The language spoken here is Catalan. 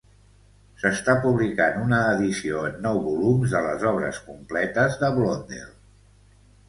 S'està publicant una edició en nou volums de les obres completes de Blondel.